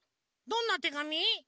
どんなてがみ？